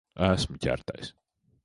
Esmu ķertais.